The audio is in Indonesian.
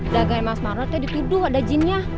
dagangan mas marmo te dituduh ada jinnya